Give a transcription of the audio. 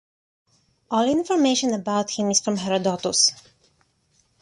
All information about him is from Herodotus.